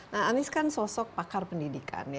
nah anies kan sosok pakar pendidikan